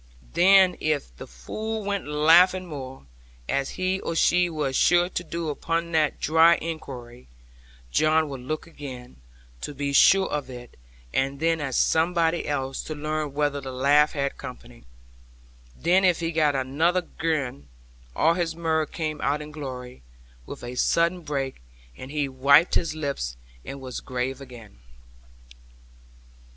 then if the fool went laughing more, as he or she was sure to do upon that dry inquiry, John would look again, to be sure of it, and then at somebody else to learn whether the laugh had company; then if he got another grin, all his mirth came out in glory, with a sudden break; and he wiped his lips, and was grave again.